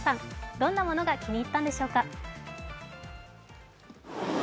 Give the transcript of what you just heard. どんなものが気に入ったんでしょうか。